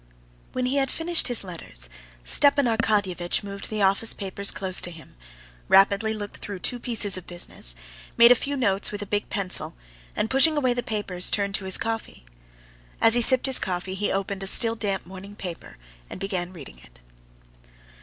When he had finished his letters, Stepan Arkadyevitch moved the office papers close to him, rapidly looked through two pieces of business, made a few notes with a big pencil, and pushing away the papers, turned to his coffee. As he sipped his coffee, he opened a still damp morning paper, and began reading it.